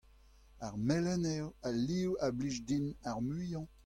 ar melen eo al liv a blij din ar muiañ.